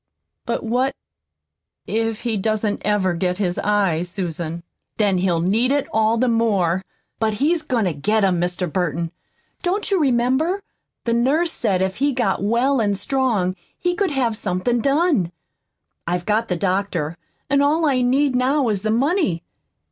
"But what if he doesn't ever get his eyes, Susan?" "Then he'll need it all the more. But he's goin' to get 'em, Mr. Burton. Don't you remember? The nurse said if he got well an' strong he could have somethin' done. I've got the doctor, an' all I need now is the money.